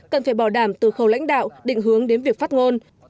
cần phải bảo đảm từ khâu lãnh đạo định hướng đến việc phát ngôn